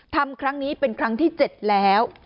ทำครั้งนี้เป็นครั้งที่๗แล้ว